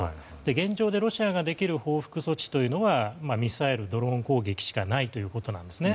現状、ロシアができる報復措置というのはミサイル、ドローン攻撃しかないということなんですね。